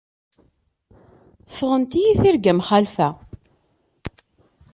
Ffɣent-iyi tirga mxalfa.